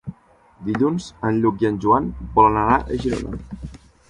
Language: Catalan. Dilluns en Lluc i en Joan volen anar a Girona.